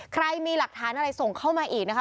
ใครมีหลักฐานอะไรส่งเข้ามาอีกนะคะ